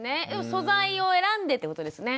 素材を選んでってことですね。